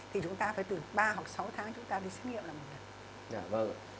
thì chúng ta phải từ ba hoặc sáu tháng chúng ta đi xét nghiệm là một lần